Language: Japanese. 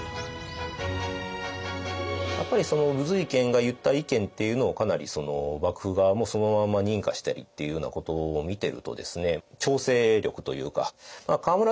やっぱり瑞賢が言った意見っていうのをかなり幕府側もそのまんま認可したりっていうようなことを見てるとですね